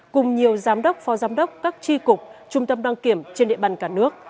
cùng nhiều giám đốc phó giám đốc các tri cục trung tâm đăng kiểm trên địa bàn cả nước